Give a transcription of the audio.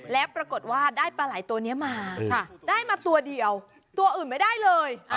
แล้วปรากฏว่าได้ปลาไหล่ตัวนี้มาได้มาตัวเดียวตัวอื่นไม่ได้เลย